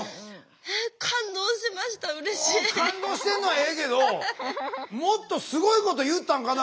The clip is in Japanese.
感動してんのはええけどもっとすごいこと言ったんかな